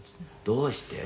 「“どうして？